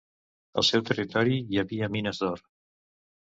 El seu territori hi havia mines d'or.